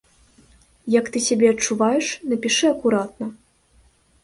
Як ты сябе адчуваеш, напішы акуратна.